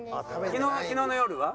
昨日の昨日の夜は？